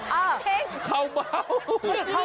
เออเฮ้ยเฮ้ยข้าวเมา